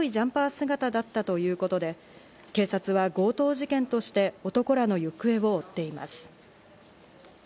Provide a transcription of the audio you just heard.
姿だったということで、警察は強盗事件として、男らの行方を追っています。